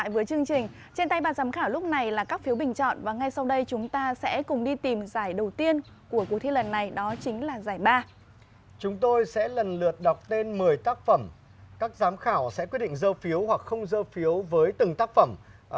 về tác phẩm các giám khảo sẽ quyết định dơ phiếu hoặc không dơ phiếu với từng tác phẩm